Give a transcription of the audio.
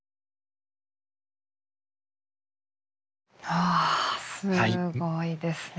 わすごいですね。